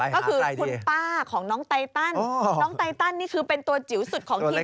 ก็คือคุณป้าของน้องไตตันน้องไตตันนี่คือเป็นตัวจิ๋วสุดของทีม